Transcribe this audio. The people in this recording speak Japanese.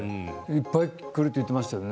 いっぱい来ると言っていましたね。